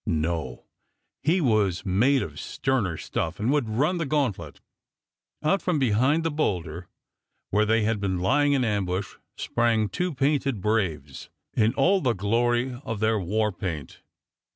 No; he was made of sterner stuff, and would run the gauntlet. Out from behind the bowlder, where they had been lying in ambush, sprang two painted braves, in all the glory of their war paint.